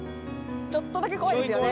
ちょっとだけ怖いですよね